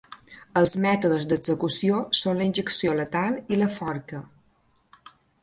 Els mètodes d'execució són la injecció letal i la forca.